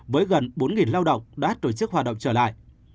với gần bốn lao động đã tổ chức hoạt động trở lại